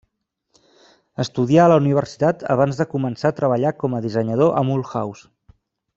Estudià a la universitat abans de començar a treballar com a dissenyador a Mulhouse.